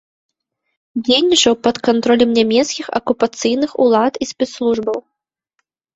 Дзейнічаў пад кантролем нямецкіх акупацыйных улад і спецслужбаў.